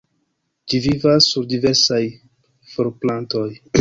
Ĝi vivas sur diversaj florplantoj.